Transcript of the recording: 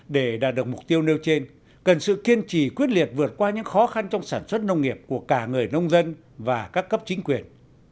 để đạt được mục tiêu nêu trên cần sự kiên trì quyết liệt vượt qua những khó khăn trong sản xuất nông nghiệp của cả người nông dân và các cấp chính quyền